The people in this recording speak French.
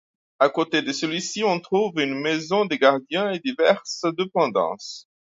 À côté de celui-ci on trouve une maison de gardiens et diverses dépendances.